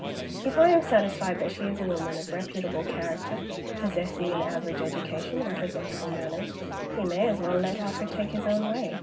If I am satisfied that she is a woman of reputable character, possessing an average education and presentable manners, we may as well let Alfred take his own way.